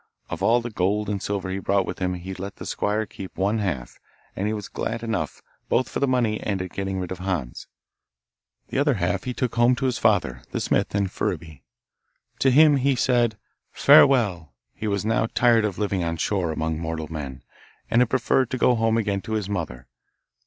Of all the gold and silver he brought with him he let the squire keep one half, and he was glad enough, both for the money and at getting rid of Hans. The other half he took home to his father the smith in Furreby. To him also he said, 'Farewell;' he was now tired of living on shore among mortal men, and preferred to go home again to his mother.